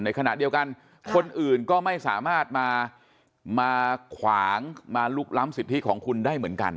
ในขณะเดียวกันคนอื่นก็ไม่สามารถมาขวางมาลุกล้ำสิทธิของคุณได้เหมือนกัน